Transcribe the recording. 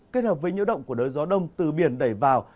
kết hợp với nhiễu động của đới gió đông từ biển đẩy vào